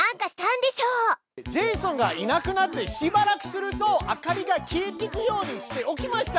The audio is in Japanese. ジェイソンがいなくなってしばらくすると明かりが消えてくようにしておきました！